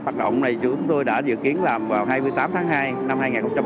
hoạt động này chúng tôi đã dự kiến làm vào hai mươi tám tháng hai năm hai nghìn hai mươi